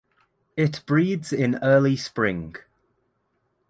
It breeds in early spring.